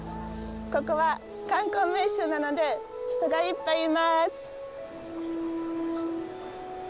ここは観光名所なので人がいっぱいいます。